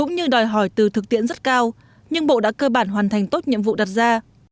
năng lực thực tiễn rất cao nhưng bộ đã cơ bản hoàn thành tốt nhiệm vụ đặt ra